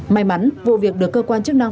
may mắn vụ việc được cơ quan chức năng